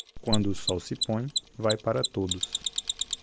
Quando o sol se põe, vai para todos.